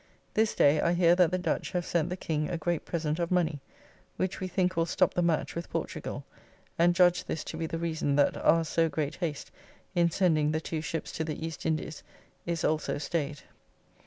This day I hear that the Dutch have sent the King a great present of money, which we think will stop the match with Portugal; and judge this to be the reason that our so great haste in sending the two ships to the East Indys is also stayed.